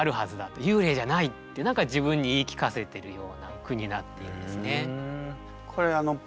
幽霊じゃない」って何か自分に言い聞かせてるような句になっていますね。